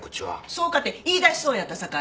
そうかて言いだしそうやったさかいに。